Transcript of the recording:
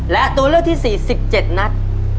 และตัวเลือกที่๔๑๗นัด